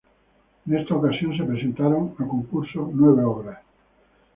En está ocasión se presentaron a concurso nueve obras.